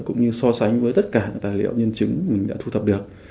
cũng như so sánh với tất cả tài liệu nhân chứng mình đã thu thập được